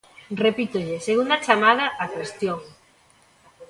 Repítolle: segunda chamada á cuestión.